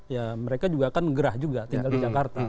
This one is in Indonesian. ya mereka juga akan ngegerah juga tinggal di jakarta